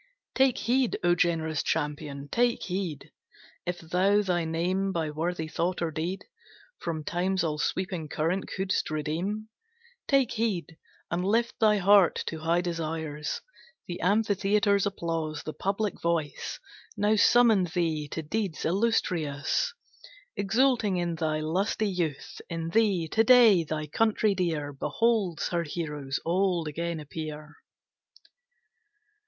Take heed, O generous champion, take heed, If thou thy name by worthy thought or deed, From Time's all sweeping current couldst redeem; Take heed, and lift thy heart to high desires! The amphitheatre's applause, the public voice, Now summon thee to deeds illustrious; Exulting in thy lusty youth. In thee, to day, thy country dear Beholds her heroes old again appear.